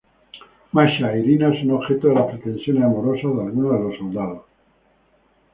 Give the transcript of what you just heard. Masha e Irina son objeto de las pretensiones amorosas de algunos de los soldados.